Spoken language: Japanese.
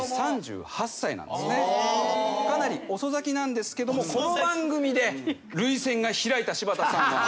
かなり遅咲きなんですけどもこの番組で涙腺が開いた柴田さんは。